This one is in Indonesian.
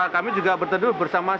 kami juga berteduh bersama sama